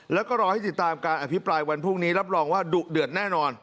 แล้วก็รอให้ติดตามการอภิปรายวันพรุ่งนี้รับรองว่าดุเดือดแน่นอน